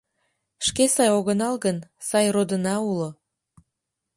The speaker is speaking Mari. Шке сай огынал гын, сай родына уло -